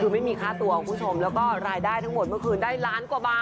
คือไม่มีค่าตัวคุณผู้ชมแล้วก็รายได้ทั้งหมดเมื่อคืนได้ล้านกว่าบาท